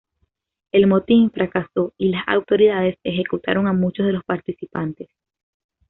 El motín fracasó, y las autoridades ejecutaron a muchos de los participantes.